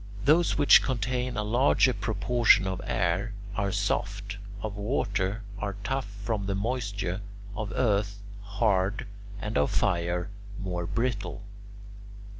Those which contain a larger proportion of air, are soft; of water, are tough from the moisture; of earth, hard; and of fire, more brittle.